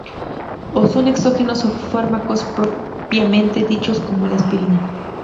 O son exógenos o fármacos propiamente dichos, como la aspirina.